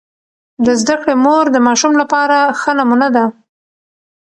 د زده کړې مور د ماشوم لپاره ښه نمونه ده.